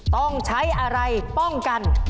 ต้องใช้อะไรป้องกัน